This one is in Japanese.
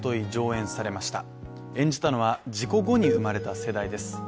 演じたのは事故後に生まれた世代です。